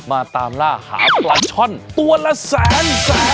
มาตามล่าหาปลาช่อนตัวละแสน